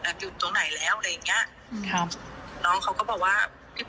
อยู่ตรงไหนแล้วอะไรอย่างเงี้ยครับน้องเขาก็บอกว่าพี่